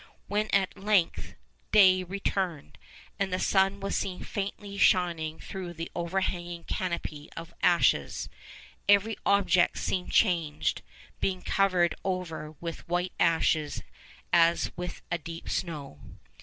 When at length day returned, and the sun was seen faintly shining through the overhanging canopy of ashes, 'every object seemed changed, being covered over with white ashes as with a deep snow.